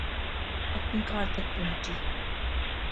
اپنی کار تک پہنچی